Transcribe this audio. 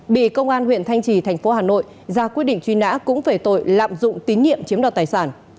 bị công an tp hà nội ra quyết định truy nã cũng về tội lạm dụng tín nhiệm chiếm đoạt tài sản